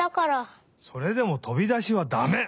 それでもとびだしはだめ！